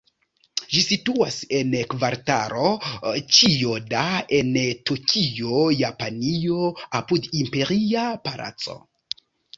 Ĝi situas en Kvartalo Ĉijoda, en Tokio, Japanio, apud Imperia Palaco.